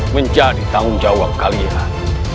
menjadi tanggung jawab kalian